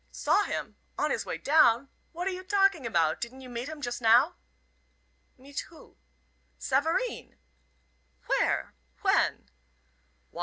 "Saw him! On his way down! What are you talking about? Didn't you meet him just now?" "Meet who?" "Savareen." "Where? When?"